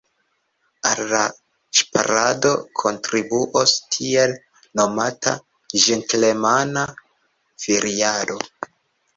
Al la ŝparado kontribuos tiel nomata ĝentlemana feriado.